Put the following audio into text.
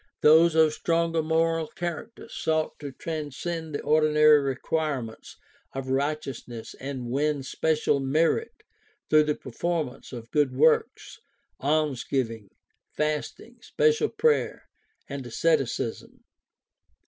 Those of stronger moral character 300 GUIDE TO STUDY OF CHRISTIAN RELIGION sought to transcend the ordinary requirements of righteous ness and win special merit through the performance of ''good works" — almsgiving, fasting, special prayer, and asceticism.